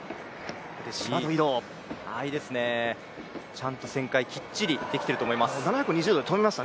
ちゃんと旋回きっちりできていると思います。